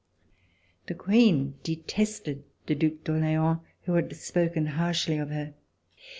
The Queen detested the Due d'Orleans, who had spoken harshly of her.